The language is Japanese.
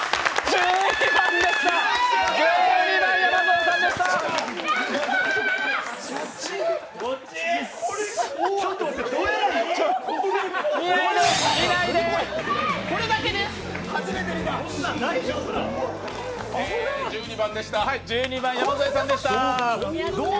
１２番、山添さんでした。